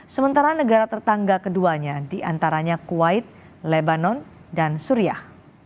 sementara negara tetangga keduanya diantaranya kuwait lebanon dan suriah